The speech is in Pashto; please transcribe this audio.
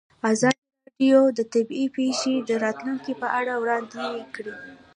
ازادي راډیو د طبیعي پېښې د راتلونکې په اړه وړاندوینې کړې.